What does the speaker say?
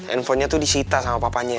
infonya tuh disita sama papanya